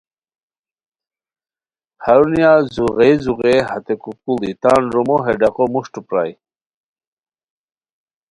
ہرونیہ زوغئے زوغئے ہتے کوکوڑی تان رومو ہے ڈاقو موشٹو پرائے